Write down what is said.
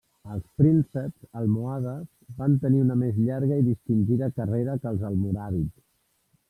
Els prínceps almohades van tenir una més llarga i distingida carrera que els almoràvits.